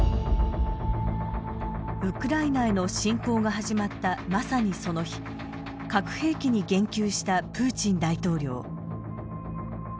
ウクライナへの侵攻が始まったまさにその日核兵器に言及したプーチン大統領。